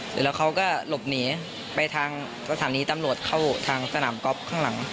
เสร็จแล้วเขาก็หลบหนีไปทางสถานีตำรวจเข้าทางสนามก๊อฟข้างหลัง